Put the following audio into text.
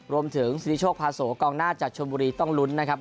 รวมถึงสิทธิโชคพาโสกองหน้าจากชนบุรีต้องลุ้นนะครับ